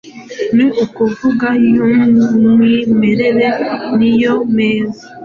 ni ukuvuga y’umwimerere niyo meza